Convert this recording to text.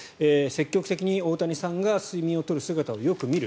積極的に大谷さんが睡眠を取る姿をよく見る。